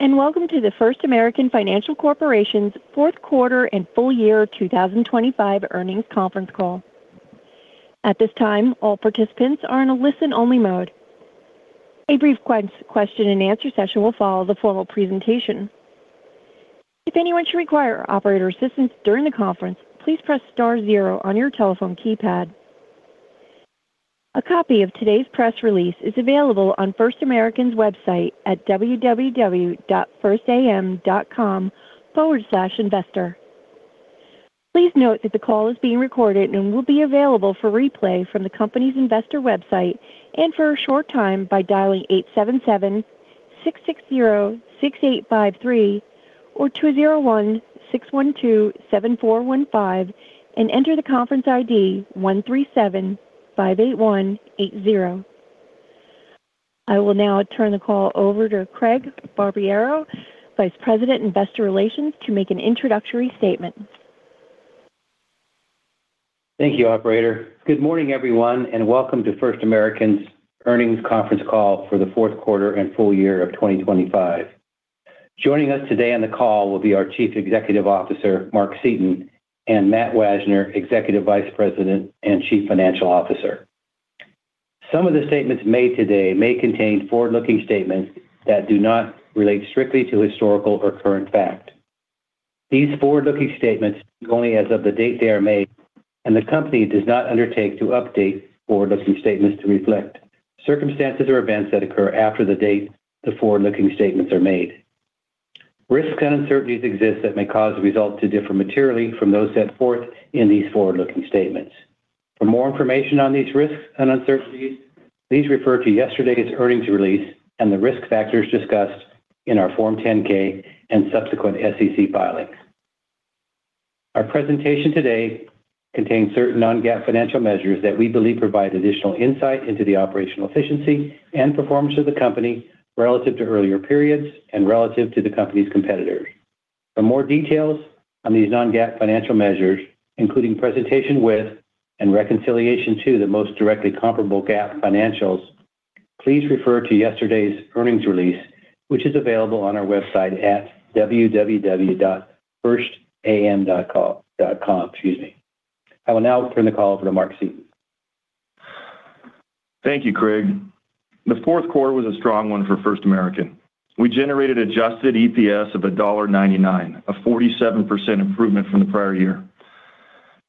Welcome to the First American Financial Corporation's fourth quarter and full year 2025 earnings conference call. At this time, all participants are in a listen-only mode. A brief question and answer session will follow the formal presentation. If anyone should require operator assistance during the conference, please press star zero on your telephone keypad. A copy of today's press release is available on First American's website at www.firstam.com/investor. Please note that the call is being recorded and will be available for replay from the company's investor website and for a short time by dialing 877-660-6853 or 201-612-7415 and enter the conference ID 13758180. I will now turn the call over to Craig Barberio, Vice President, Investor Relations, to make an introductory statement. Thank you, operator. Good morning, everyone, and welcome to First American's earnings conference call for the fourth quarter and full year of 2025. Joining us today on the call will be our Chief Executive Officer, Mark Seaton, and Matt Wajner, Executive Vice President and Chief Financial Officer. Some of the statements made today may contain forward-looking statements that do not relate strictly to historical or current fact. These forward-looking statements are given as of the date they are made, and the company does not undertake to update forward-looking statements to reflect circumstances or events that occur after the date the forward-looking statements are made. Risks and uncertainties exist that may cause the results to differ materially from those set forth in these forward-looking statements. For more information on these risks and uncertainties, please refer to yesterday's earnings release and the risk factors discussed in our Form 10-K and subsequent SEC filings. Our presentation today contains certain non-GAAP financial measures that we believe provide additional insight into the operational efficiency and performance of the company relative to earlier periods and relative to the company's competitors. For more details on these non-GAAP financial measures, including presentation with and reconciliation to the most directly comparable GAAP financials, please refer to yesterday's earnings release, which is available on our website at www.firstam.com. Excuse me. I will now turn the call over to Mark Seaton. Thank you, Craig. The fourth quarter was a strong one for First American. We generated adjusted EPS of $1.99, a 47% improvement from the prior year.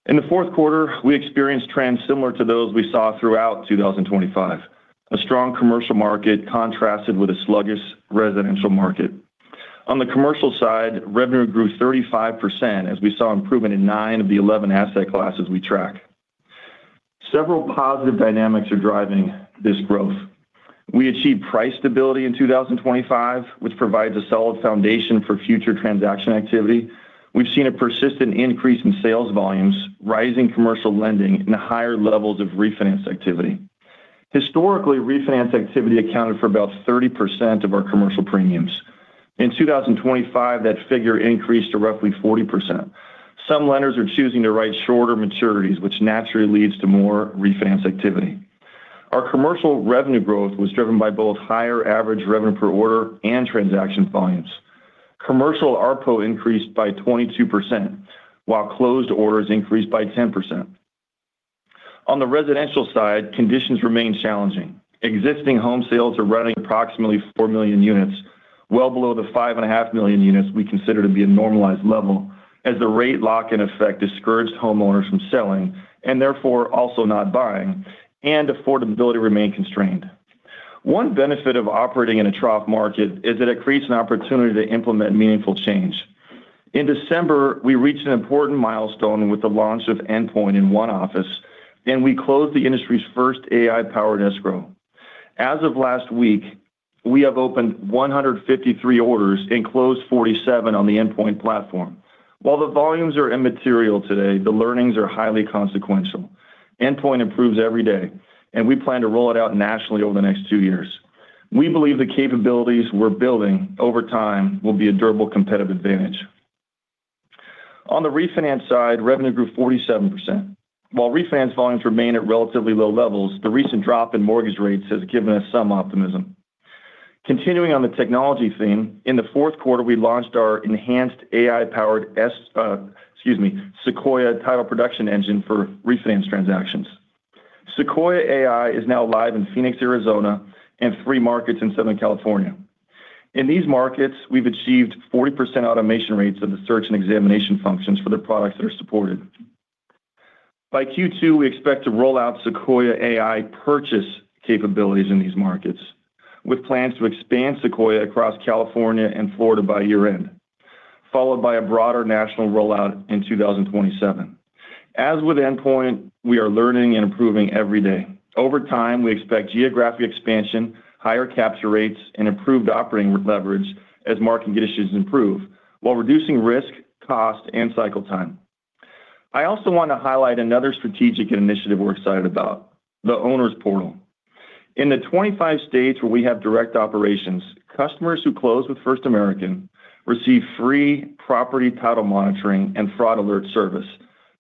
In the fourth quarter, we experienced trends similar to those we saw throughout 2025. A strong commercial market contrasted with a sluggish residential market. On the commercial side, revenue grew 35% as we saw improvement in 9 of the 11 asset classes we track. Several positive dynamics are driving this growth. We achieved price stability in 2025, which provides a solid foundation for future transaction activity. We've seen a persistent increase in sales volumes, rising commercial lending, and higher levels of refinance activity. Historically, refinance activity accounted for about 30% of our commercial premiums. In 2025, that figure increased to roughly 40%. Some lenders are choosing to write shorter maturities, which naturally leads to more refinance activity. Our commercial revenue growth was driven by both higher average revenue per order and transaction volumes. Commercial ARPO increased by 22%, while closed orders increased by 10%. On the residential side, conditions remain challenging. Existing home sales are running approximately 4 million units, well below the 5.5 million units we consider to be a normalized level, as the rate lock-in effect discouraged homeowners from selling and therefore also not buying, and affordability remained constrained. One benefit of operating in a trough market is that it creates an opportunity to implement meaningful change. In December, we reached an important milestone with the launch of Endpoint in 1 office, and we closed the industry's first AI-powered escrow. As of last week, we have opened 153 orders and closed 47 on the Endpoint platform. While the volumes are immaterial today, the learnings are highly consequential. Endpoint improves every day, and we plan to roll it out nationally over the next 2 years. We believe the capabilities we're building over time will be a durable competitive advantage. On the refinance side, revenue grew 47%. While refinance volumes remain at relatively low levels, the recent drop in mortgage rates has given us some optimism. Continuing on the technology theme, in the fourth quarter, we launched our enhanced AI-powered, excuse me, Sequoia title production engine for refinance transactions. Sequoia AI is now live in Phoenix, Arizona, and 3 markets in Southern California. In these markets, we've achieved 40% automation rates of the search and examination functions for the products that are supported. By Q2, we expect to roll out Sequoia AI purchase capabilities in these markets, with plans to expand Sequoia across California and Florida by year-end, followed by a broader national rollout in 2027. As with Endpoint, we are learning and improving every day. Over time, we expect geographic expansion, higher capture rates, and improved operating leverage as market conditions improve while reducing risk, cost, and cycle time. I also want to highlight another strategic initiative we're excited about, the Owners Portal. In the 25 states where we have direct operations, customers who close with First American receive free property title monitoring and fraud alert service,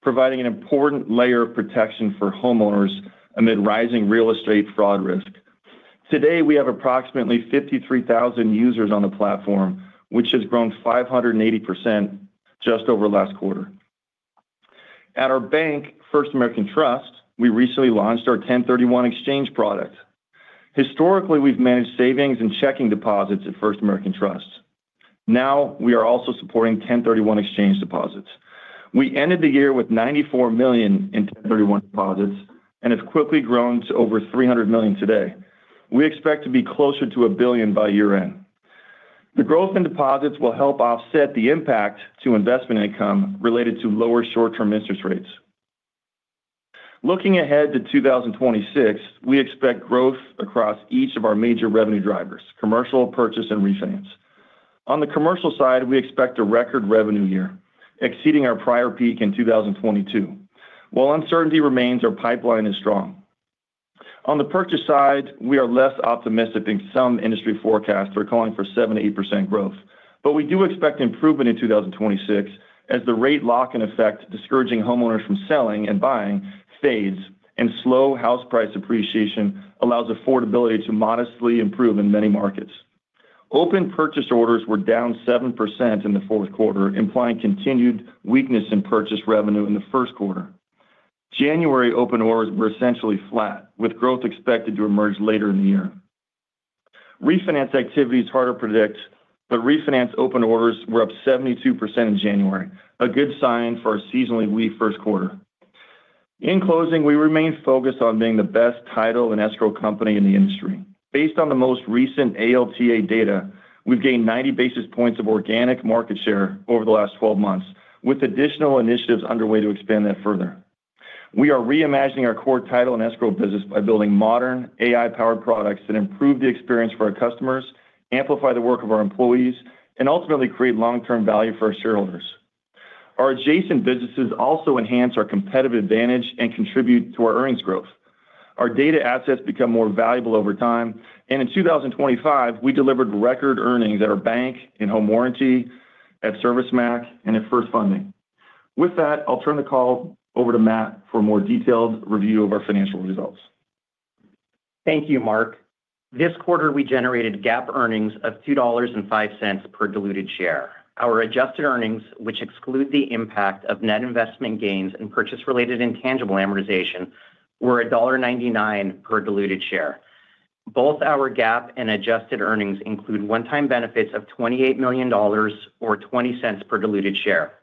providing an important layer of protection for homeowners amid rising real estate fraud risk. Today, we have approximately 53,000 users on the platform, which has grown 580% just over last quarter. At our bank, First American Trust, we recently launched our 1031 exchange product. Historically, we've managed savings and checking deposits at First American Trust. Now, we are also supporting 1031 exchange deposits. We ended the year with $94 million in 1031 deposits and have quickly grown to over $300 million today. We expect to be closer to $1 billion by year-end. The growth in deposits will help offset the impact to investment income related to lower short-term interest rates. Looking ahead to 2026, we expect growth across each of our major revenue drivers: commercial, purchase, and refinance. On the commercial side, we expect a record revenue year, exceeding our prior peak in 2022. While uncertainty remains, our pipeline is strong. On the purchase side, we are less optimistic than some industry forecasts are calling for 7%-8% growth. But we do expect improvement in 2026 as the rate lock-in effect, discouraging homeowners from selling and buying, fades, and slow house price appreciation allows affordability to modestly improve in many markets. Open purchase orders were down 7% in the fourth quarter, implying continued weakness in purchase revenue in the first quarter. January open orders were essentially flat, with growth expected to emerge later in the year. Refinance activity is harder to predict, but refinance open orders were up 72% in January, a good sign for a seasonally weak first quarter. In closing, we remain focused on being the best title and escrow company in the industry. Based on the most recent ALTA data, we've gained 90 basis points of organic market share over the last 12 months, with additional initiatives underway to expand that further. We are reimagining our core title and escrow business by building modern AI-powered products that improve the experience for our customers, amplify the work of our employees, and ultimately create long-term value for our shareholders. Our adjacent businesses also enhance our competitive advantage and contribute to our earnings growth. Our data assets become more valuable over time, and in 2025, we delivered record earnings at our bank, in Home Warranty, at ServiceMac, and at First Funding. With that, I'll turn the call over to Matt for a more detailed review of our financial results. Thank you, Mark. This quarter, we generated GAAP earnings of $2.05 per diluted share. Our adjusted earnings, which exclude the impact of net investment gains and purchase-related intangible amortization, were $1.99 per diluted share. Both our GAAP and adjusted earnings include one-time benefits of $28 million or $0.20 per diluted share.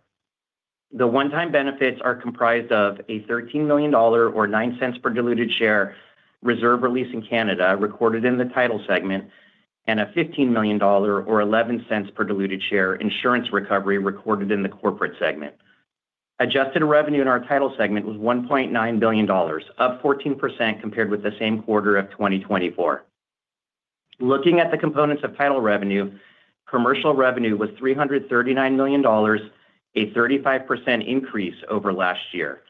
The one-time benefits are comprised of a $13 million or $0.09 per diluted share reserve release in Canada, recorded in the title segment, and a $15 million or $0.11 per diluted share insurance recovery recorded in the corporate segment. Adjusted revenue in our title segment was $1.9 billion, up 14% compared with the same quarter of 2024. Looking at the components of title revenue, commercial revenue was $339 million, a 35% increase over last year.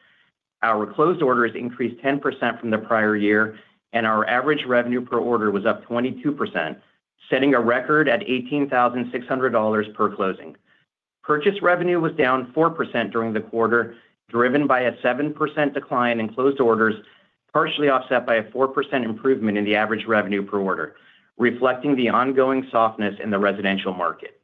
Our closed orders increased 10% from the prior year, and our average revenue per order was up 22%, setting a record at $18,600 per closing. Purchase revenue was down 4% during the quarter, driven by a 7% decline in closed orders, partially offset by a 4% improvement in the average revenue per order, reflecting the ongoing softness in the residential market.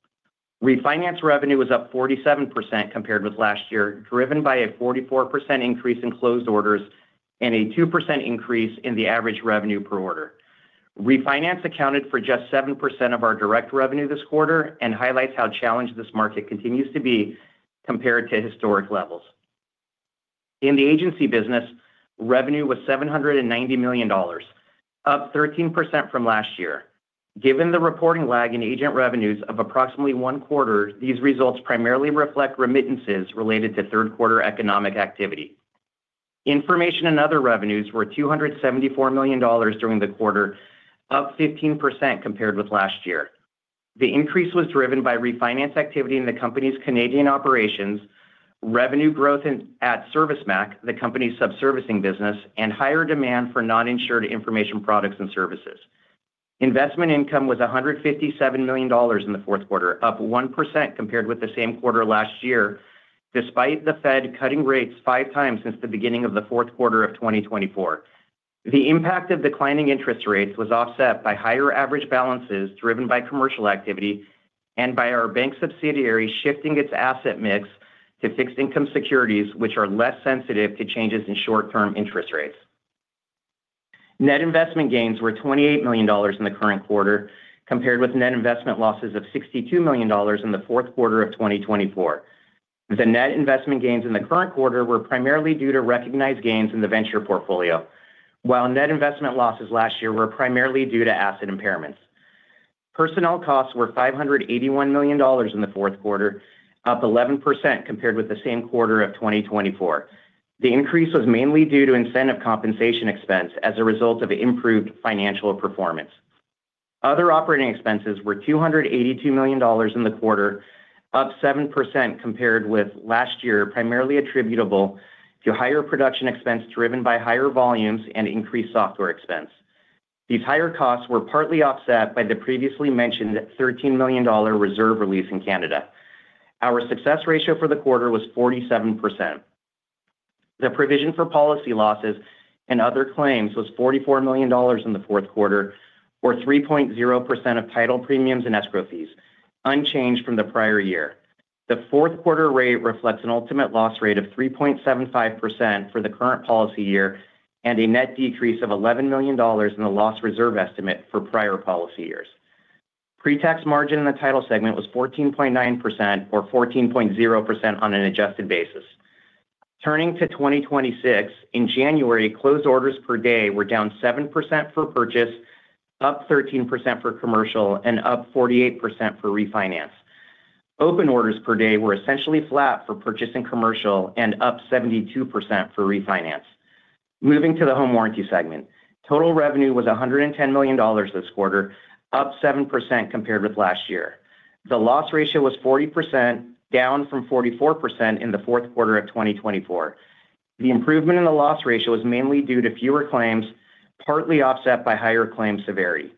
Refinance revenue was up 47% compared with last year, driven by a 44% increase in closed orders and a 2% increase in the average revenue per order. Refinance accounted for just 7% of our direct revenue this quarter and highlights how challenged this market continues to be compared to historic levels. In the agency business, revenue was $790 million, up 13% from last year. Given the reporting lag in agent revenues of approximately one quarter, these results primarily reflect remittances related to third quarter economic activity. Information and other revenues were $274 million during the quarter, up 15% compared with last year. The increase was driven by refinance activity in the company's Canadian operations, revenue growth in at ServiceMac, the company's subservicing business, and higher demand for non-insured information products and services. Investment income was $157 million in the fourth quarter, up 1% compared with the same quarter last year, despite the Fed cutting rates five times since the beginning of the fourth quarter of 2024. The impact of declining interest rates was offset by higher average balances, driven by commercial activity and by our bank subsidiary shifting its asset mix to fixed income securities, which are less sensitive to changes in short-term interest rates. Net investment gains were $28 million in the current quarter, compared with net investment losses of $62 million in the fourth quarter of 2024. The net investment gains in the current quarter were primarily due to recognized gains in the venture portfolio, while net investment losses last year were primarily due to asset impairments. Personnel costs were $581 million in the fourth quarter, up 11% compared with the same quarter of 2024. The increase was mainly due to incentive compensation expense as a result of improved financial performance. Other operating expenses were $282 million in the quarter, up 7% compared with last year, primarily attributable to higher production expense driven by higher volumes and increased software expense.... These higher costs were partly offset by the previously mentioned $13 million reserve release in Canada. Our success ratio for the quarter was 47%. The provision for policy losses and other claims was $44 million in the fourth quarter, or 3.0% of title premiums and escrow fees, unchanged from the prior year. The fourth quarter rate reflects an ultimate loss rate of 3.75% for the current policy year, and a net decrease of $11 million in the loss reserve estimate for prior policy years. Pre-tax margin in the title segment was 14.9% or 14.0% on an adjusted basis. Turning to 2026, in January, closed orders per day were down 7% for purchase, up 13% for commercial, and up 48% for refinance. Open orders per day were essentially flat for purchase and commercial, and up 72% for refinance. Moving to the home warranty segment, total revenue was $110 million this quarter, up 7% compared with last year. The loss ratio was 40%, down from 44% in the fourth quarter of 2024. The improvement in the loss ratio was mainly due to fewer claims, partly offset by higher claim severity.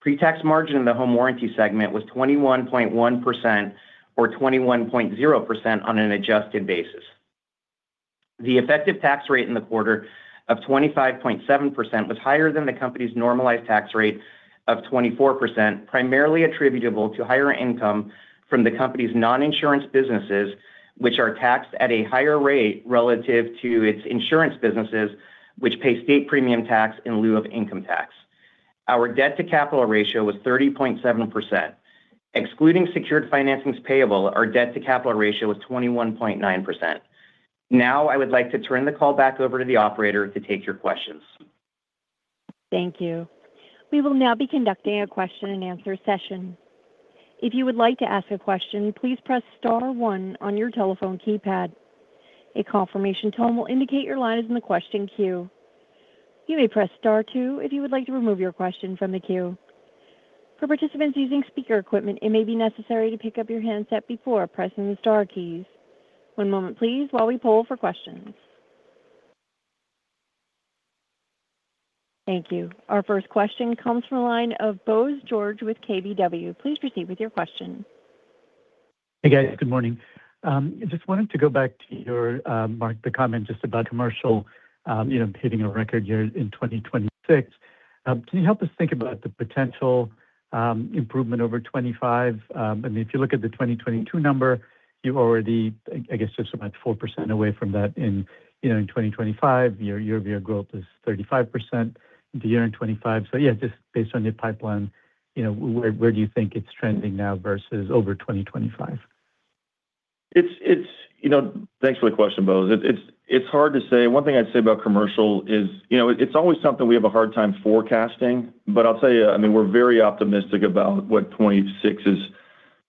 Pre-tax margin in the home warranty segment was 21.1% or 21.0% on an adjusted basis. The effective tax rate in the quarter of 25.7% was higher than the company's normalized tax rate of 24%, primarily attributable to higher income from the company's non-insurance businesses, which are taxed at a higher rate relative to its insurance businesses, which pay state premium tax in lieu of income tax. Our debt-to-capital ratio was 30.7%. Excluding secured financings payable, our debt-to-capital ratio was 21.9%. Now, I would like to turn the call back over to the operator to take your questions. Thank you. We will now be conducting a question-and-answer session. If you would like to ask a question, please press star one on your telephone keypad. A confirmation tone will indicate your line is in the question queue. You may press star two if you would like to remove your question from the queue. For participants using speaker equipment, it may be necessary to pick up your handset before pressing the star keys. One moment, please, while we poll for questions. Thank you. Our first question comes from the line of Bose George with KBW. Please proceed with your question. Hey, guys. Good morning. I just wanted to go back to your, Mark, the comment just about commercial, you know, hitting a record year in 2026. Can you help us think about the potential improvement over 2025? I mean, if you look at the 2022 number, you've already, I guess, just about 4% away from that in, you know, in 2025. Your year-over-year growth is 35% the year in 2025. So yeah, just based on your pipeline, you know, where do you think it's trending now versus over 2025? It's... You know, thanks for the question, Bose. It's hard to say. One thing I'd say about commercial is, you know, it's always something we have a hard time forecasting. But I'll tell you, I mean, we're very optimistic about what 2026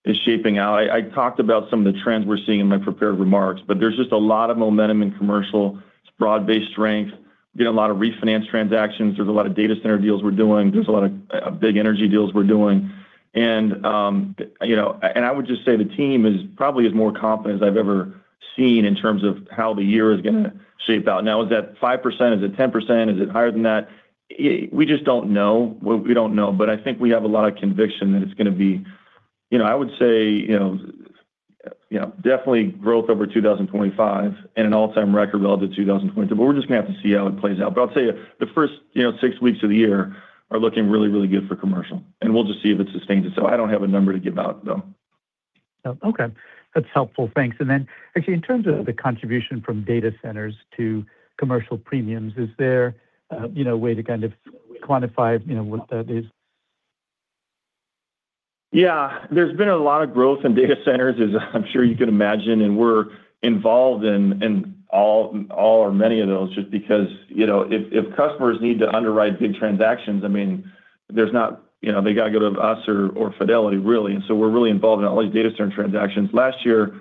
is shaping out. I talked about some of the trends we're seeing in my prepared remarks, but there's just a lot of momentum in commercial. It's broad-based strength. We get a lot of refinance transactions. There's a lot of big energy deals we're doing. And, you know, and I would just say the team is probably as more confident as I've ever seen in terms of how the year is gonna shape out. Now, is that 5%? Is it 10%? Is it higher than that? We just don't know. We, we don't know, but I think we have a lot of conviction that it's gonna be... You know, I would say, you know, you know, definitely growth over 2025 and an all-time record relative to 2022. But we're just gonna have to see how it plays out. But I'll tell you, the first, you know, 6 weeks of the year are looking really, really good for commercial, and we'll just see if it's sustained. So I don't have a number to give out, though. Oh, okay. That's helpful. Thanks. And then, actually, in terms of the contribution from data centers to commercial premiums, is there, you know, a way to kind of quantify, you know, what that is? Yeah. There's been a lot of growth in data centers, as I'm sure you can imagine, and we're involved in all or many of those just because, you know, if customers need to underwrite big transactions, I mean, there's not... You know, they got to go to us or Fidelity, really. And so we're really involved in all these data center transactions. Last year,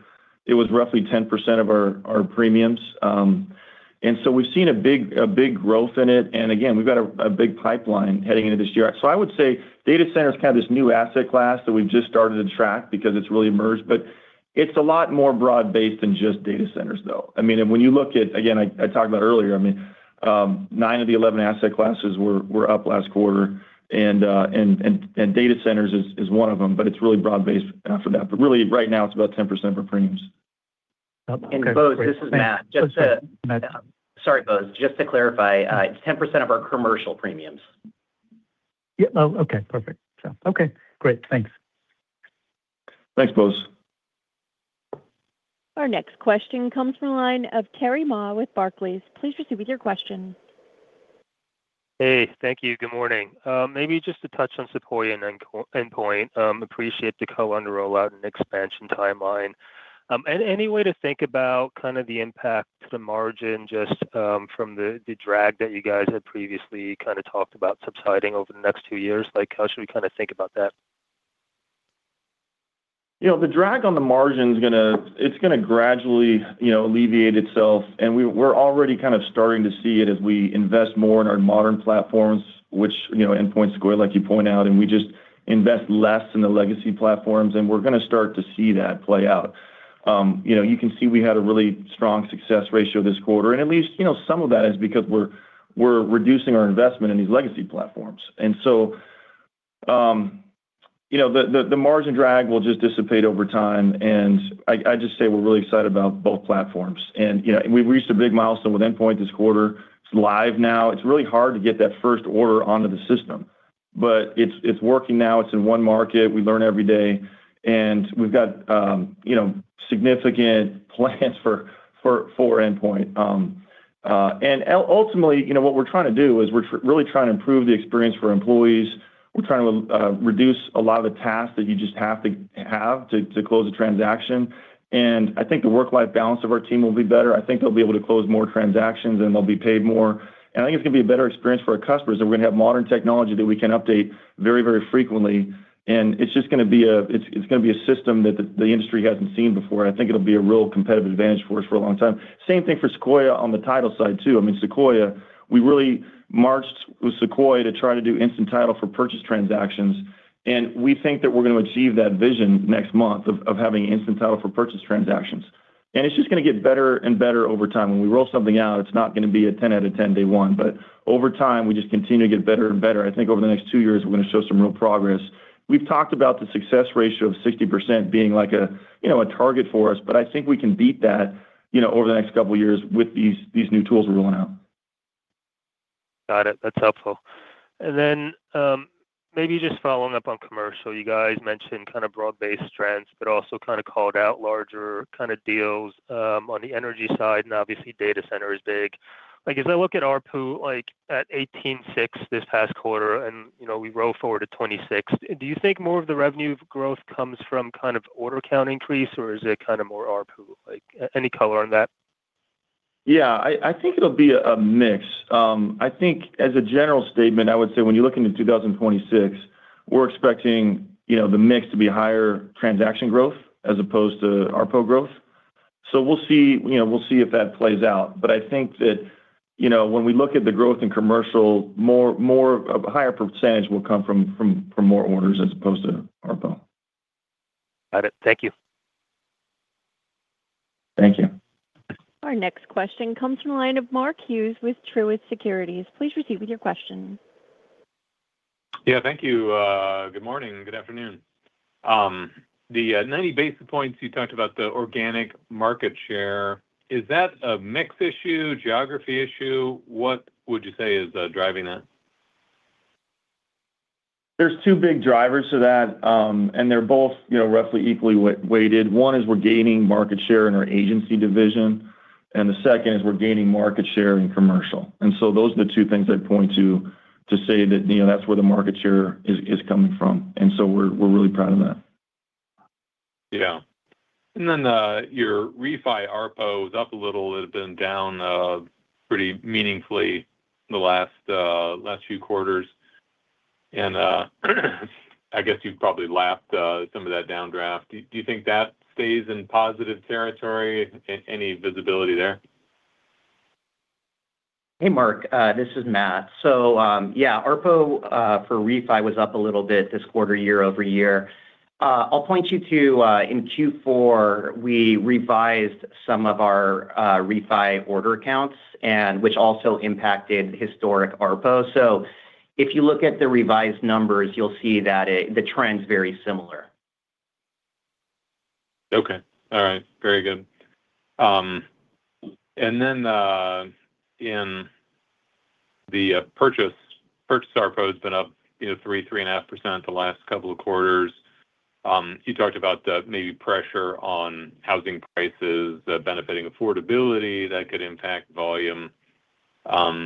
it was roughly 10% of our premiums. And so we've seen a big growth in it, and again, we've got a big pipeline heading into this year. So I would say data centers is kind of this new asset class that we've just started to track because it's really emerged, but it's a lot more broad-based than just data centers, though. I mean, and when you look at... Again, I talked about earlier, I mean, 9 of the 11 asset classes were up last quarter, and data centers is one of them, but it's really broad-based after that. But really, right now, it's about 10% of our premiums. Okay, great. Bose, this is Matt. Just to- Matt. Sorry, Bose. Just to clarify, it's 10% of our commercial premiums. Yeah. Oh, okay, perfect. So okay, great. Thanks. Thanks, Bose. Our next question comes from the line of Terry Ma with Barclays. Please proceed with your question. Hey. Thank you. Good morning. Maybe just to touch on Sequoia and then Endpoint. Appreciate the co-underwrite and expansion timeline. And any way to think about kind of the impact to the margin, just, from the, the drag that you guys had previously kind of talked about subsiding over the next two years? Like, how should we kind of think about that? You know, the drag on the margin is gonna, it's gonna gradually, you know, alleviate itself, and we're already kind of starting to see it as we invest more in our modern platforms, which, you know, Endpoint, Sequoia, like you point out, and we just invest less in the legacy platforms, and we're gonna start to see that play out. You know, you can see we had a really strong success ratio this quarter, and at least, you know, some of that is because we're reducing our investment in these legacy platforms. And so, you know, the margin drag will just dissipate over time, and I just say we're really excited about both platforms. And you know, we reached a big milestone with Endpoint this quarter. It's live now. It's really hard to get that first order onto the system, but it's working now. It's in one market. We learn every day, and we've got you know, significant plans for Endpoint. Ultimately, you know, what we're trying to do is we're really trying to improve the experience for employees. We're trying to reduce a lot of the tasks that you just have to have to close a transaction. And I think the work-life balance of our team will be better. I think they'll be able to close more transactions, and they'll be paid more. And I think it's gonna be a better experience for our customers, that we're gonna have modern technology that we can update very, very frequently, and it's just gonna be it's gonna be a system that the industry hasn't seen before. I think it'll be a real competitive advantage for us for a long time. Same thing for Sequoia on the title side, too. I mean, Sequoia, we really marched with Sequoia to try to do instant title for purchase transactions, and we think that we're gonna achieve that vision next month of having instant title for purchase transactions. It's just gonna get better and better over time. When we roll something out, it's not gonna be a ten out of ten day one, but over time, we just continue to get better and better. I think over the next two years, we're gonna show some real progress. We've talked about the success ratio of 60% being like a, you know, a target for us, but I think we can beat that, you know, over the next couple of years with these new tools we're rolling out. Got it. That's helpful. And then, maybe just following up on commercial, you guys mentioned kind of broad-based trends, but also kind of called out larger kind of deals, on the energy side, and obviously, data center is big. Like, as I look at ARPU, like, at $18.6 this past quarter, and, you know, we roll forward to 2026, do you think more of the revenue growth comes from kind of order count increase, or is it kind of more ARPU? Like, any color on that? Yeah, I think it'll be a mix. I think as a general statement, I would say when you're looking at 2026, we're expecting, you know, the mix to be higher transaction growth as opposed to ARPU growth. So we'll see, you know, we'll see if that plays out. But I think that, you know, when we look at the growth in commercial, more of a higher percentage will come from more orders as opposed to ARPU. Got it. Thank you. Thank you. Our next question comes from the line of Mark Hughes with Truist Securities. Please proceed with your question. Yeah, thank you. Good morning, good afternoon. The 90 basis points, you talked about the organic market share. Is that a mix issue, geography issue? What would you say is driving that? There's two big drivers to that, and they're both, you know, roughly equally weighted. One is we're gaining market share in our agency division, and the second is we're gaining market share in commercial. And so those are the two things I'd point to, to say that, you know, that's where the market share is coming from. And so we're really proud of that. Yeah. And then, your refi ARPU is up a little. It had been down pretty meaningfully the last few quarters, and I guess you've probably lapped some of that downdraft. Do you think that stays in positive territory? Any visibility there? Hey, Mark, this is Matt. So, yeah, ARPO for refi was up a little bit this quarter, year-over-year. I'll point you to in Q4, we revised some of our refi order counts, and which also impacted historic ARPO. So if you look at the revised numbers, you'll see that the trend's very similar. Okay. All right, very good. In the purchase, purchase ARPO has been up, you know, 3%-3.5% the last couple of quarters. You talked about the maybe pressure on housing prices, benefiting affordability that could impact volume. Do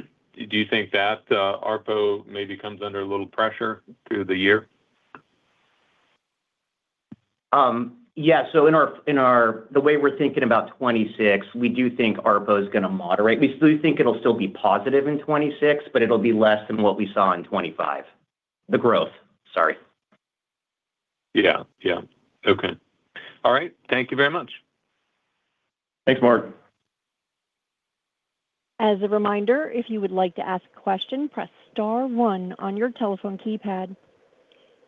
you think that ARPO maybe comes under a little pressure through the year? Yeah. So, in our, the way we're thinking about 2026, we do think ARPU is gonna moderate. We still think it'll still be positive in 2026, but it'll be less than what we saw in 2025. The growth, sorry. Yeah. Yeah. Okay. All right. Thank you very much. Thanks, Mark. As a reminder, if you would like to ask a question, press star one on your telephone keypad.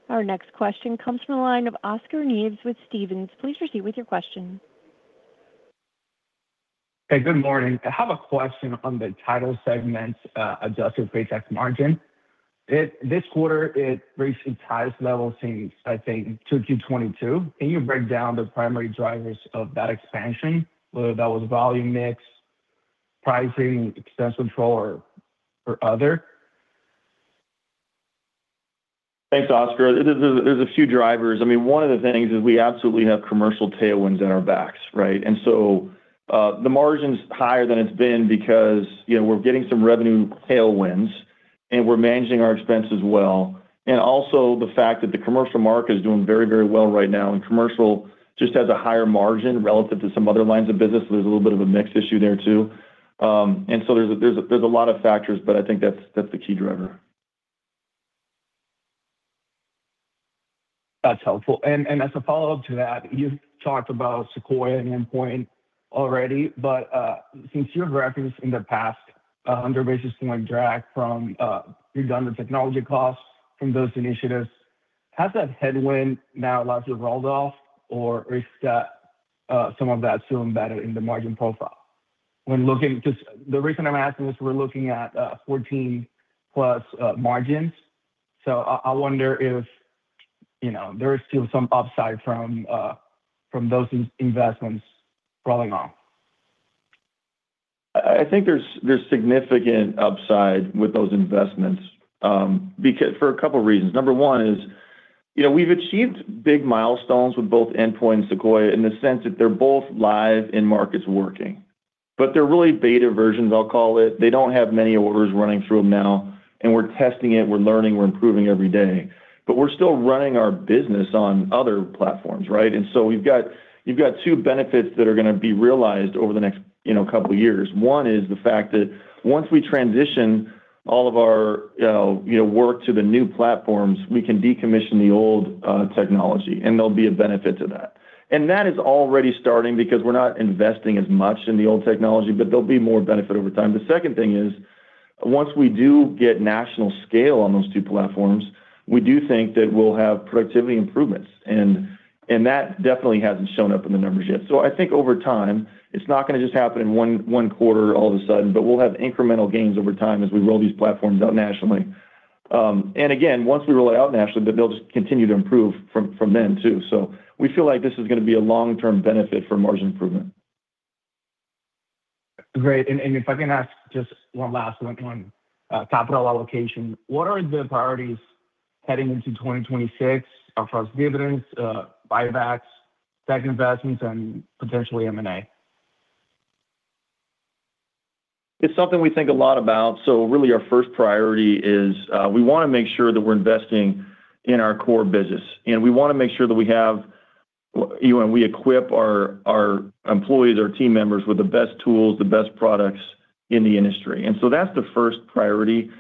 Our next question comes from the line of Oscar Nieves with Stephens. Please proceed with your question. Hey, good morning. I have a question on the title segment, adjusted pretax margin. This quarter, it reached the highest level since, I think, Q2 2022. Can you break down the primary drivers of that expansion, whether that was volume mix, pricing, expense control, or, or other? Thanks, Oscar. There's a few drivers. I mean, one of the things is we absolutely have commercial tailwinds at our backs, right? And so, the margin's higher than it's been because, you know, we're getting some revenue tailwinds, and we're managing our expenses well. And also, the fact that the commercial market is doing very, very well right now, and commercial just has a higher margin relative to some other lines of business, so there's a little bit of a mix issue there, too. And so there's a lot of factors, but I think that's the key driver. That's helpful. And as a follow-up to that, you've talked about Sequoia and Endpoint already, but since you've referenced in the past 100 basis point drag from redundant technology costs from those initiatives... Has that headwind now largely rolled off, or is that some of that still embedded in the margin profile? When looking, just, the reason I'm asking this, we're looking at 14+ margins. So I wonder if, you know, there is still some upside from those investments rolling off. I think there's significant upside with those investments, for a couple reasons. Number one is, you know, we've achieved big milestones with both Endpoint and Sequoia in the sense that they're both live in markets working. But they're really beta versions, I'll call it. They don't have many orders running through them now, and we're testing it, we're learning, we're improving every day. But we're still running our business on other platforms, right? And so you've got two benefits that are going to be realized over the next, you know, couple years. One is the fact that once we transition all of our, you know, work to the new platforms, we can decommission the old technology, and there'll be a benefit to that. That is already starting because we're not investing as much in the old technology, but there'll be more benefit over time. The second thing is, once we do get national scale on those two platforms, we do think that we'll have productivity improvements, and that definitely hasn't shown up in the numbers yet. So I think over time, it's not going to just happen in one quarter all of a sudden, but we'll have incremental gains over time as we roll these platforms out nationally. And again, once we roll it out nationally, then they'll just continue to improve from then, too. So we feel like this is going to be a long-term benefit for margin improvement. Great. And if I can ask just one last one on capital allocation. What are the priorities heading into 2026 across dividends, buybacks, tech investments, and potentially M&A? It's something we think a lot about. So really, our first priority is, we want to make sure that we're investing in our core business, and we want to make sure that we have, you know, and we equip our employees, our team members with the best tools, the best products in the industry. And so that's the first priority,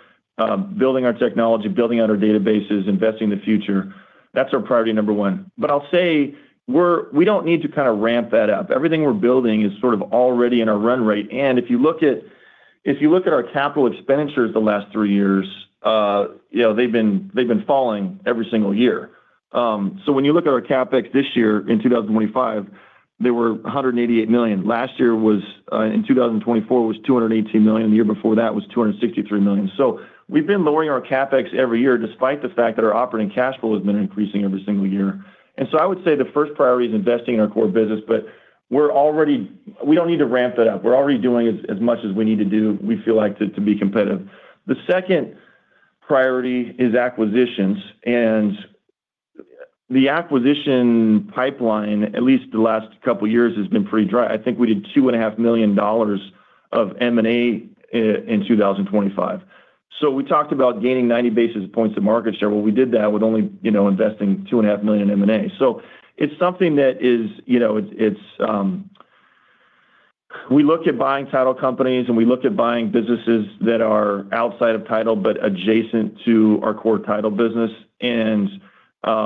building our technology, building out our databases, investing in the future. That's our priority number one. But I'll say, we're we don't need to kind of ramp that up. Everything we're building is sort of already in our run rate. And if you look at our capital expenditures the last three years, you know, they've been falling every single year. So when you look at our CapEx this year, in 2025, they were $188 million. Last year was, in 2024, was $218 million, the year before that was $263 million. So we've been lowering our CapEx every year, despite the fact that our operating cash flow has been increasing every single year. And so I would say the first priority is investing in our core business, but we're already... We don't need to ramp it up. We're already doing as much as we need to do, we feel like, to be competitive. The second priority is acquisitions, and the acquisition pipeline, at least the last couple of years, has been pretty dry. I think we did $2.5 million of M&A in 2025. So we talked about gaining 90 basis points of market share. Well, we did that with only, you know, investing $2.5 million in M&A. So it's something that is, you know, it's... We look at buying title companies, and we look at buying businesses that are outside of title, but adjacent to our core title business. I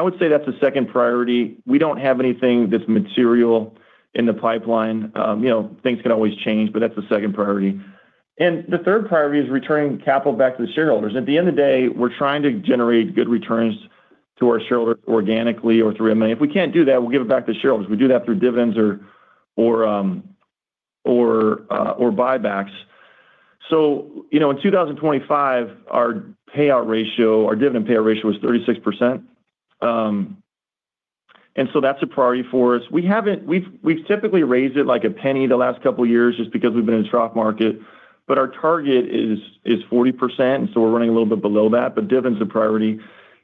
would say that's the second priority. We don't have anything that's material in the pipeline. You know, things can always change, but that's the second priority. The third priority is returning capital back to the shareholders. At the end of the day, we're trying to generate good returns to our shareholders organically or through M&A. If we can't do that, we'll give it back to the shareholders. We do that through dividends or buybacks. So, you know, in 2025, our payout ratio, our dividend payout ratio was 36%. So that's a priority for us. We've typically raised it like a penny the last couple of years just because we've been in a trough market, but our target is 40%, and so we're running a little bit below that, but dividend's a priority.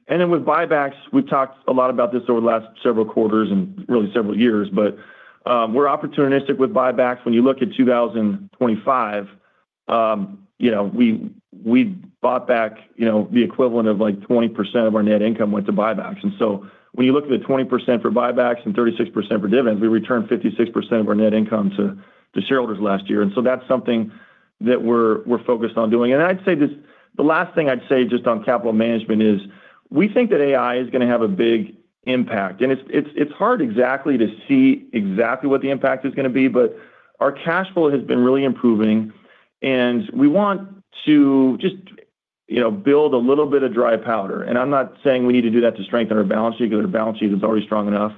Then with buybacks, we've talked a lot about this over the last several quarters and really several years, but we're opportunistic with buybacks. When you look at 2025, you know, we bought back, you know, the equivalent of, like, 20% of our net income went to buybacks. When you look at the 20% for buybacks and 36% for dividends, we returned 56% of our net income to shareholders last year. That's something that we're focused on doing. I'd say this, the last thing I'd say just on capital management is, we think that AI is going to have a big impact. It's hard to see exactly what the impact is going to be, but our cash flow has been really improving, and we want to just, you know, build a little bit of dry powder. I'm not saying we need to do that to strengthen our balance sheet, because our balance sheet is already strong enough.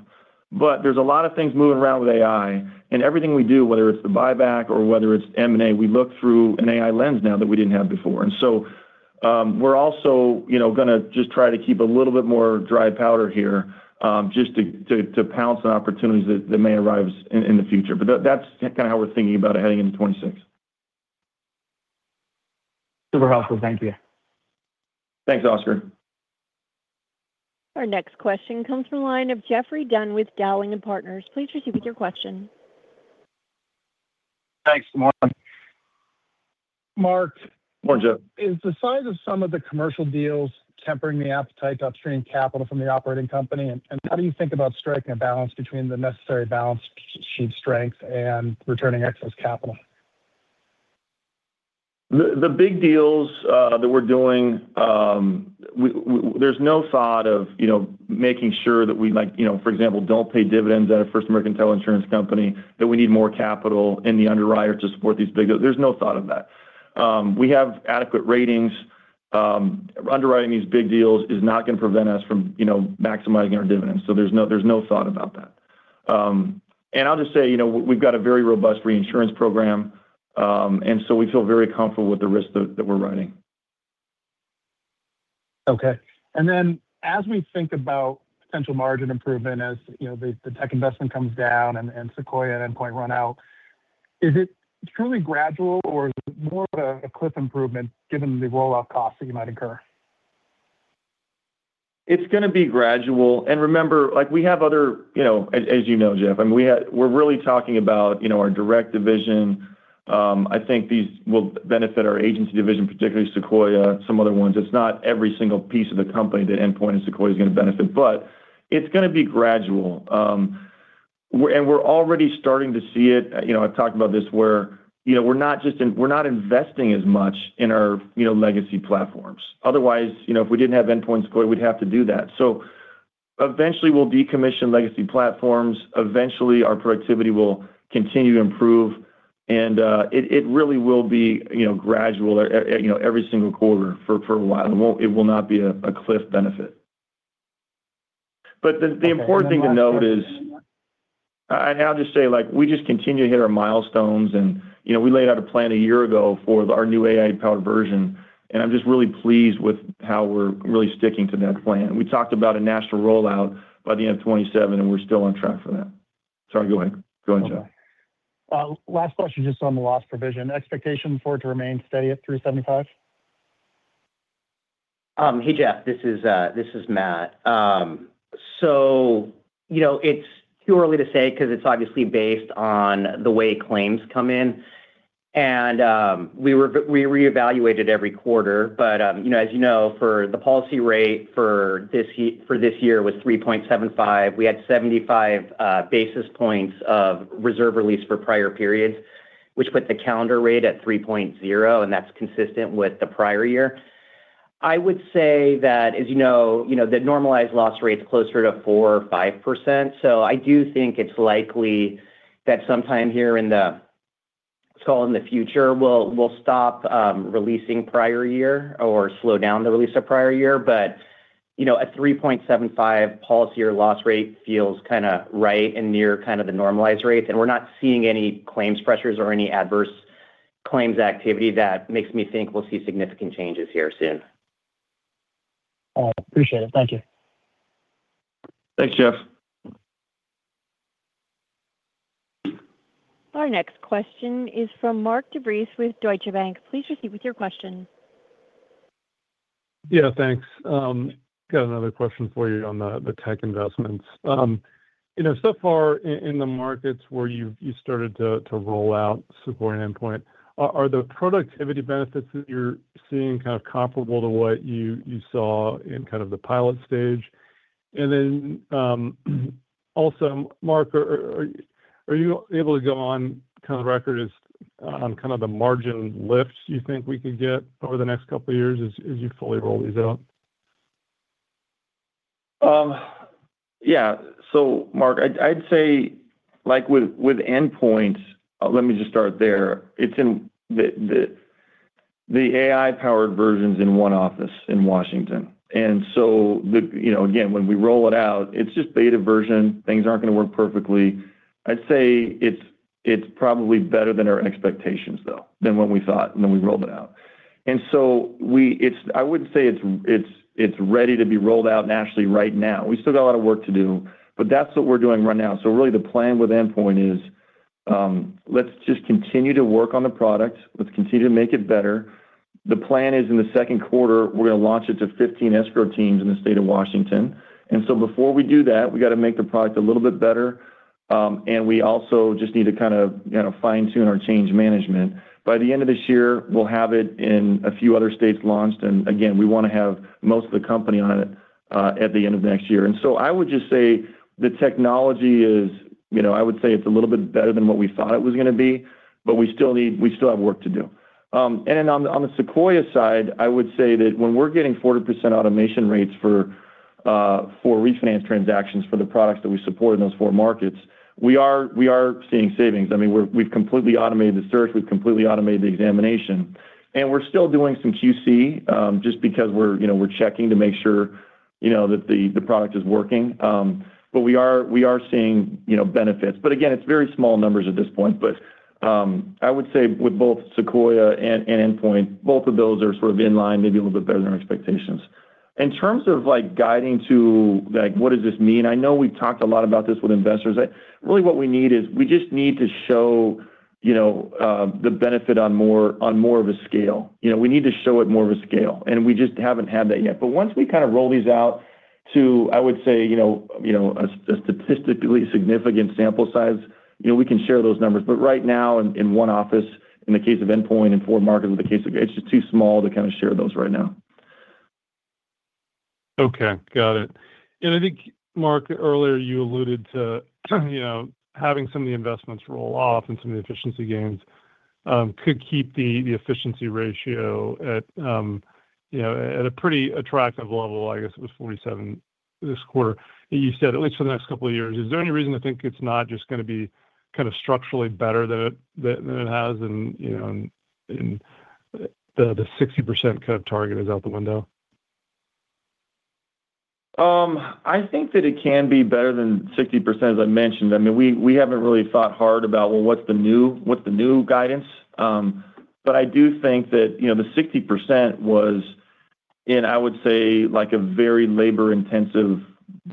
But there's a lot of things moving around with AI, and everything we do, whether it's the buyback or whether it's M&A, we look through an AI lens now that we didn't have before. And so, we're also, you know, gonna just try to keep a little bit more dry powder here, just to pounce on opportunities that may arise in the future. But that's kind of how we're thinking about it heading into 2026. Super helpful. Thank you. Thanks, Oscar. Our next question comes from the line of Geoffrey Dunn with Dowling and Partners. Please proceed with your question. Thanks, Mark. Mark- Morning, Jeff. Is the size of some of the commercial deals tempering the appetite to upstream capital from the operating company? And how do you think about striking a balance between the necessary balance sheet strength and returning excess capital? The big deals that we're doing, there's no thought of, you know, making sure that we like, you know, for example, don't pay dividends at a First American Title Insurance Company, that we need more capital in the underwriter to support these big deals. There's no thought of that. We have adequate ratings. Underwriting these big deals is not going to prevent us from, you know, maximizing our dividends. So there's no, there's no thought about that. And I'll just say, you know, we've got a very robust reinsurance program, and so we feel very comfortable with the risk that we're running. Okay. And then as we think about potential margin improvement, as you know, the tech investment comes down and Sequoia and Endpoint run out, is it truly gradual or is it more of a cliff improvement given the rollout costs that you might incur? It's going to be gradual. Remember, like, we have other, you know, as you know, Jeff, I mean, we're really talking about, you know, our direct division. I think these will benefit our agency division, particularly Sequoia, some other ones. It's not every single piece of the company that Endpoint and Sequoia is going to benefit, but it's going to be gradual. We're already starting to see it. You know, I've talked about this where, you know, we're not investing as much in our, you know, legacy platforms. Otherwise, you know, if we didn't have Endpoint and Sequoia, we'd have to do that. So eventually, we'll decommission legacy platforms. Eventually, our productivity will continue to improve, and it really will be, you know, gradual, you know, every single quarter for a while. It will not be a cliff benefit. But the important thing to note is... I'll just say, like, we just continue to hit our milestones and, you know, we laid out a plan a year ago for our new AI-powered version, and I'm just really pleased with how we're really sticking to that plan. We talked about a national rollout by the end of 2027, and we're still on track for that. Sorry, go ahead. Go ahead, Geoff. Last question, just on the loss provision. Expectation for it to remain steady at 375? Hey, Geoff, this is Matt. So, you know, it's too early to say 'cause it's obviously based on the way claims come in, and we reevaluate it every quarter. But you know, as you know, for the policy rate for this year, for this year was 3.75. We had 75 basis points of reserve release for prior periods, which put the calendar rate at 3.0, and that's consistent with the prior year. I would say that, as you know, you know, the normalized loss rate is closer to 4%-5%. So I do think it's likely that sometime here in the... let's call in the future, we'll stop releasing prior year or slow down the release of prior year. But, you know, a 3.75 policy or loss rate feels kind of right and near kind of the normalized rates, and we're not seeing any claims pressures or any adverse claims activity that makes me think we'll see significant changes here soon. Appreciate it. Thank you. Thanks, Geoff. Our next question is from Mark DeVries with Deutsche Bank. Please proceed with your question. Yeah, thanks. Got another question for you on the tech investments. You know, so far in the markets where you've started to roll out Sequoia and Endpoint, are the productivity benefits that you're seeing kind of comparable to what you saw in the pilot stage? And then, also, Mark, are you able to go on the record as on the margin lifts you think we could get over the next couple of years as you fully roll these out? Yeah. So Mark, I'd say, like, with Endpoint, let me just start there. It's in the AI-powered versions in one office in Washington. And so, you know, again, when we roll it out, it's just beta version. Things aren't going to work perfectly. I'd say it's probably better than our expectations, though, than what we thought when we rolled it out. And so I wouldn't say it's ready to be rolled out nationally right now. We still got a lot of work to do, but that's what we're doing right now. So really, the plan with Endpoint is, let's just continue to work on the product. Let's continue to make it better. The plan is, in the second quarter, we're going to launch it to 15 escrow teams in the state of Washington. And so before we do that, we got to make the product a little bit better, and we also just need to kind of, you know, fine-tune our change management. By the end of this year, we'll have it in a few other states launched, and again, we want to have most of the company on it at the end of next year. And so I would just say the technology is, you know, I would say it's a little bit better than what we thought it was going to be, but we still need, we still have work to do. And on the Sequoia side, I would say that when we're getting 40% automation rates for refinance transactions for the products that we support in those four markets, we are seeing savings. I mean, we've completely automated the search, we've completely automated the examination, and we're still doing some QC, just because we're, you know, we're checking to make sure, you know, that the product is working. But we are, we are seeing, you know, benefits. But again, it's very small numbers at this point, but, I would say with both Sequoia and Endpoint, both of those are sort of in line, maybe a little bit better than expectations. In terms of, like, guiding to, like, what does this mean? I know we've talked a lot about this with investors. Really, what we need is, we just need to show, you know, the benefit on more, on more of a scale. You know, we need to show it more of a scale, and we just haven't had that yet. But once we kind of roll these out to, I would say, you know, a statistically significant sample size, you know, we can share those numbers. But right now, in one office, in the case of Endpoint, in four markets, in the case of... It's just too small to kind of share those right now. Okay, got it. And I think, Mark, earlier you alluded to, you know, having some of the investments roll off and some of the efficiency gains could keep the, the efficiency ratio at, yeah, at a pretty attractive level, I guess it was 47% this quarter. You said at least for the next couple of years, is there any reason to think it's not just gonna be kind of structurally better than it has and, you know, and the 60% kind of target is out the window? I think that it can be better than 60%, as I mentioned. I mean, we, we haven't really thought hard about, well, what's the new, what's the new guidance? But I do think that, you know, the 60% was in, I would say, like a very labor-intensive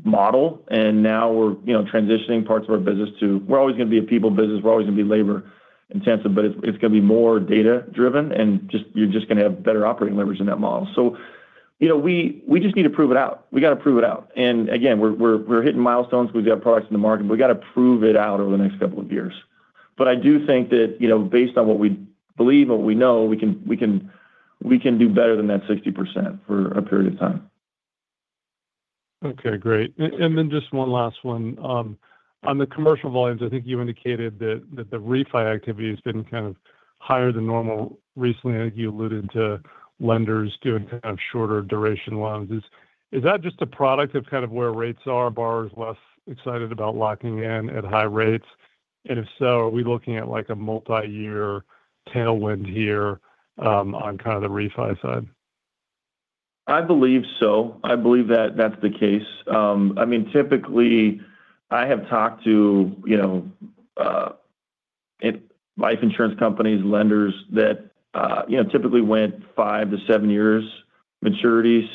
model, and now we're, you know, transitioning parts of our business to... We're always gonna be a people business, we're always gonna be labor-intensive, but it's, it's gonna be more data-driven, and just, you're just gonna have better operating levers in that model. So, you know, we, we just need to prove it out. We got to prove it out. And again, we're, we're, we're hitting milestones, we've got products in the market. We got to prove it out over the next couple of years. But I do think that, you know, based on what we believe and what we know, we can, we can, we can do better than that 60% for a period of time. Okay, great. And then just one last one. On the commercial volumes, I think you indicated that, that the refi activity has been kind of higher than normal recently. I think you alluded to lenders doing kind of shorter duration loans. Is, is that just a product of kind of where rates are, borrowers less excited about locking in at high rates? And if so, are we looking at, like, a multi-year tailwind here, on kind of the refi side? I believe so. I believe that that's the case. I mean, typically, I have talked to, you know, in life insurance companies, lenders that, you know, typically went 5-7 years maturities,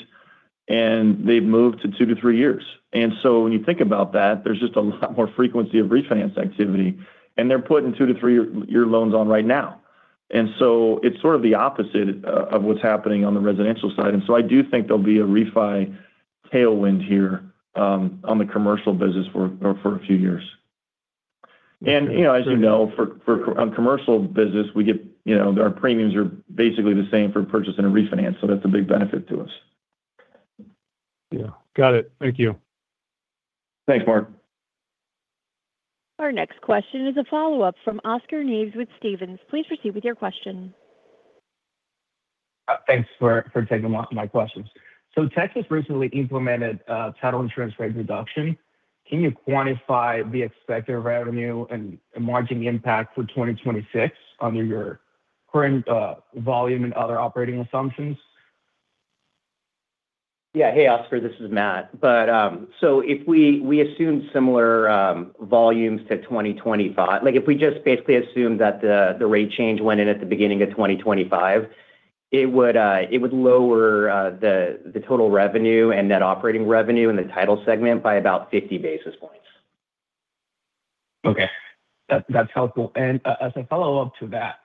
and they've moved to 2-3 years. And so when you think about that, there's just a lot more frequency of refinance activity, and they're putting 2-3-year loans on right now. And so it's sort of the opposite of what's happening on the residential side. And so I do think there'll be a refi tailwind here on the commercial business for a few years. And, you know, as you know, for, for, on commercial business, we get, you know, our premiums are basically the same for purchase and a refinance, so that's a big benefit to us. Yeah. Got it. Thank you. Thanks, Mark. Our next question is a follow-up from Oscar Nieves with Stephens. Please proceed with your question. Thanks for taking my questions. So Texas recently implemented a title insurance rate reduction. Can you quantify the expected revenue and margin impact for 2026 under your current volume and other operating assumptions? Yeah. Hey, Oscar, this is Matt. But, so if we assume similar volumes to 2025—like, if we just basically assume that the rate change went in at the beginning of 2025, it would lower the total revenue and net operating revenue in the title segment by about 50 basis points. Okay, that's helpful. And as a follow-up to that,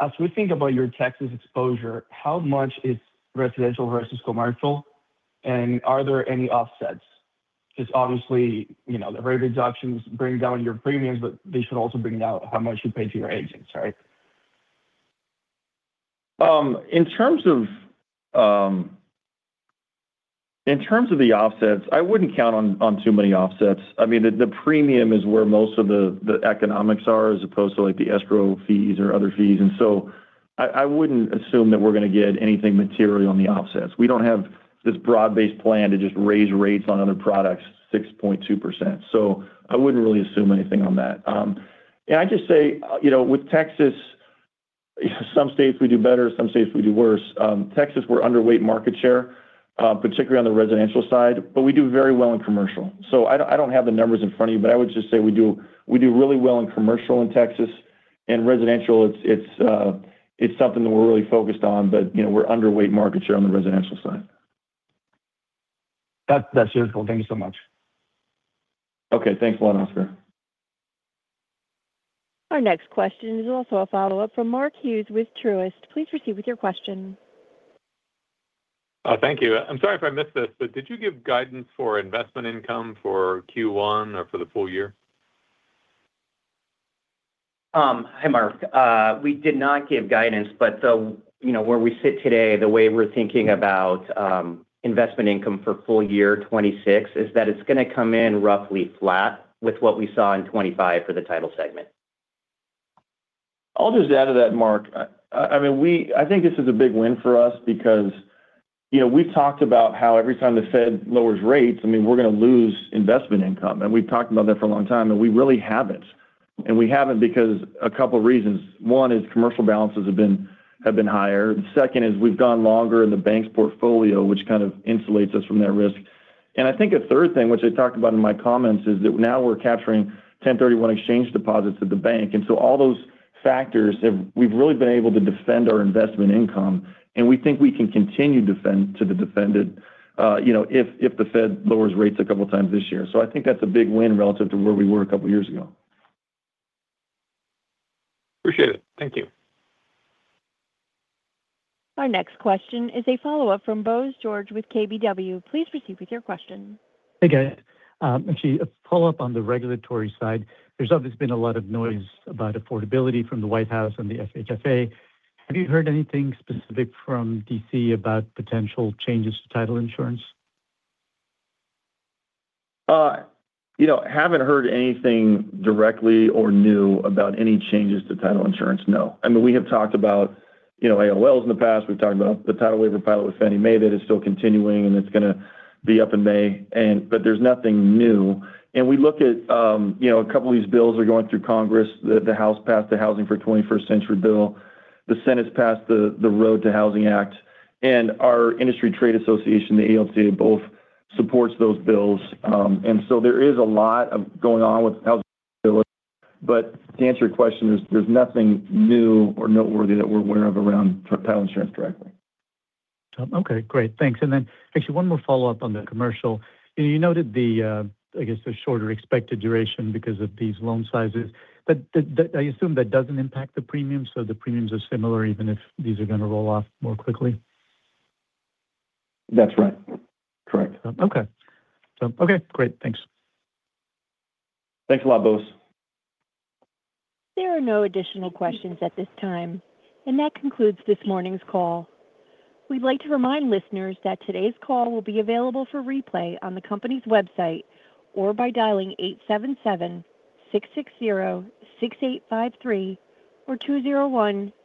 as we think about your Texas exposure, how much is residential versus commercial, and are there any offsets? Because obviously, you know, the rate reductions bring down your premiums, but they should also bring down how much you pay to your agents, right? In terms of the offsets, I wouldn't count on too many offsets. I mean, the premium is where most of the economics are, as opposed to, like, the escrow fees or other fees. And so I wouldn't assume that we're gonna get anything materially on the offsets. We don't have this broad-based plan to just raise rates on other products 6.2%. So I wouldn't really assume anything on that. And I just say, you know, with Texas, some states we do better, some states we do worse. Texas, we're underweight market share, particularly on the residential side, but we do very well in commercial. So I don't have the numbers in front of me, but I would just say we do really well in commercial in Texas, and residential, it's something that we're really focused on, but, you know, we're underweight market share on the residential side. That's, that's useful. Thank you so much. Okay. Thanks a lot, Oscar. Our next question is also a follow-up from Mark Hughes with Truist. Please proceed with your question. Thank you. I'm sorry if I missed this, but did you give guidance for investment income for Q1 or for the full year? Hi, Mark. We did not give guidance, but, you know, where we sit today, the way we're thinking about investment income for full year 2026, is that it's gonna come in roughly flat with what we saw in 2025 for the title segment. I'll just add to that, Mark. I mean, I think this is a big win for us because, you know, we talked about how every time the Fed lowers rates, I mean, we're gonna lose investment income. And we've talked about that for a long time, and we really haven't. And we haven't because a couple of reasons: one is commercial balances have been higher; and second is we've gone longer in the banks portfolio, which kind of insulates us from that risk. And I think a third thing, which I talked about in my comments, is that now we're capturing 1031 exchange deposits at the bank. And so all those factors have. We've really been able to defend our investment income, and we think we can continue defend to the defended, you know, if, if the Fed lowers rates a couple of times this year. So I think that's a big win relative to where we were a couple of years ago. Appreciate it. Thank you. Our next question is a follow-up from Bose George with KBW. Please proceed with your question. Hey, guys. Actually, a follow-up on the regulatory side. There's obviously been a lot of noise about affordability from the White House and the FHFA. Have you heard anything specific from D.C. about potential changes to title insurance? You know, I haven't heard anything directly or new about any changes to title insurance, no. I mean, we have talked about, you know, AOLs in the past. We've talked about the title waiver pilot with Fannie Mae. That is still continuing, and it's gonna be up in May, and, but there's nothing new. And we look at, you know, a couple of these bills are going through Congress. The House passed the Housing for 21st Century bill. The Senate's passed the Road to Housing Act, and our industry trade association, the ALTA, both supports those bills. And so there is a lot of going on with housing stability, but to answer your question, there's nothing new or noteworthy that we're aware of around title insurance directly. Okay, great. Thanks. And then actually, one more follow-up on the commercial. You noted the, I guess, the shorter expected duration because of these loan sizes, but I assume that doesn't impact the premiums, so the premiums are similar, even if these are gonna roll off more quickly? That's right. Correct. Okay. So, okay, great. Thanks. Thanks a lot, Bose. There are no additional questions at this time, and that concludes this morning's call. We'd like to remind listeners that today's call will be available for replay on the company's website, or by dialing 877-660-6853 or 201